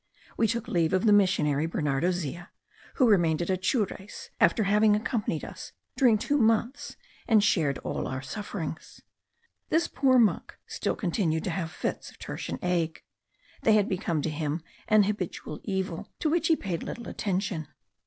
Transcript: We took leave of the missionary, Bernardo Zea, who remained at Atures, after having accompanied us during two months, and shared all our sufferings. This poor monk still continued to have fits of tertian ague; they had become to him an habitual evil, to which he paid little attention.